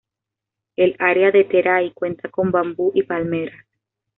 El área de Terai cuenta con bambú y palmeras.